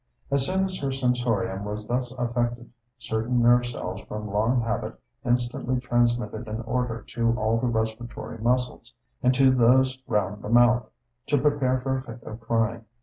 As soon as her sensorium was thus affected, certain nerve cells from long habit instantly transmitted an order to all the respiratory muscles, and to those round the mouth, to prepare for a fit of crying.